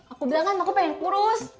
aku bilang kan aku pengen ngurus